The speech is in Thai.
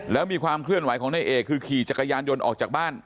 แล้วมีความเคลื่อนไหวของนายเอกคือขี่จักรยานยนต์ออกจากบ้าน